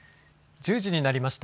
１０時になりました。